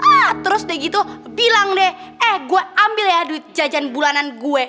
ah terus udah gitu bilang deh eh gue ambil ya aduh jajan bulanan gue